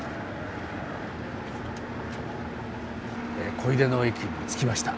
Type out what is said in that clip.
小出の駅に着きました。